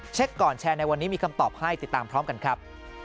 ก่อนแชร์ในวันนี้มีคำตอบให้ติดตามพร้อมกันครับ